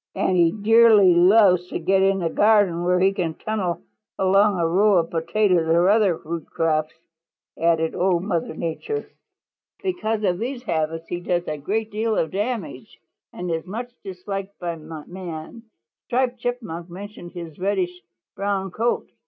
"And he dearly loves to get in a garden where he can tunnel along a row of potatoes or other root crops," added Old Mother Nature. "Because of these habits he does a great deal of damage and is much disliked by man. Striped Chipmunk mentioned his reddish brown coat.